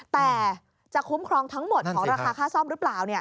แต่จะคุ้มครองทั้งหมดของราคาค่าซ่อมหรือเปล่า